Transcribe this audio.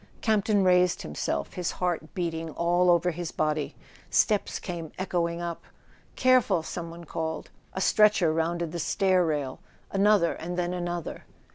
Campton raised himself, his heart beating all over his body. Steps came echoing up. "Careful!" some one called. A stretcher rounded the [ 286 ] A SON AT THE FRONT stair rail; another, and then another.